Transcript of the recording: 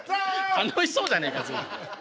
楽しそうじゃねえか随分。